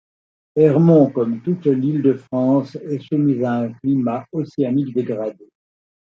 Ermont comme toute l'Île-de-France est soumis à un climat océanique dégradé.